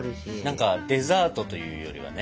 何かデザートというよりはね。